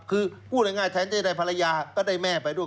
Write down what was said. คือพูดง่ายแทนจะได้ภรรยาก็ได้แม่ไปด้วย